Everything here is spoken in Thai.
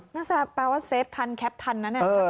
น่าจะเปล่าว่าเซฟทันแคปทันนะ